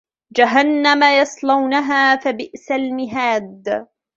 جَهَنَّمَ يَصْلَوْنَهَا فَبِئْسَ الْمِهَادُ